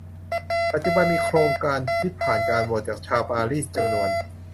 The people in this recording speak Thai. ปัจจุบันมีโครงการที่ผ่านการโหวตจากชาวปารีสจำนวน